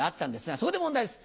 そこで問題です